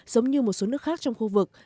giống như một số nước khác trong khu vực